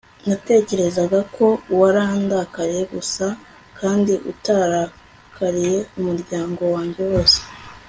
natekerezaga ko warandakariye gusa kandi utarakariye umuryango wanjye wose